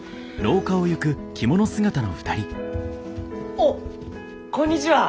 おっこんにちは！